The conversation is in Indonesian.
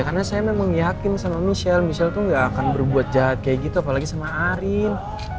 karena saya memang yakin sama michelle michelle tuh gak akan berbuat jahat kayak gitu apalagi sama arin